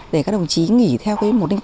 để các đồng chí nghỉ theo một tám